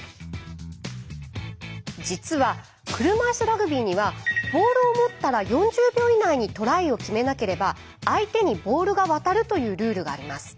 実は車いすラグビーにはボールを持ったら４０秒以内にトライを決めなければ相手にボールが渡るというルールがあります。